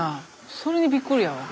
それにびっくりやわ。